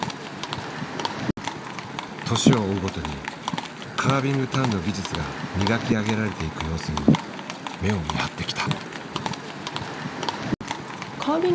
年を追うごとにカービングターンの技術が磨き上げられていく様子に目をみはってきた。